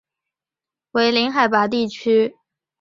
为零海拔地区。